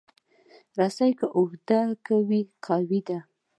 رسۍ اوږده که وي، قوي ده.